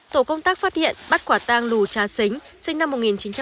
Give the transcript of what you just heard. tổ công tác phát hiện bắt quả tang lù trá xính sinh năm một nghìn chín trăm bảy mươi ba